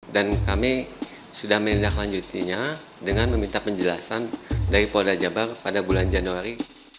dan kami sudah menindaklanjutinya dengan meminta penjelasan dari polda jabar pada bulan januari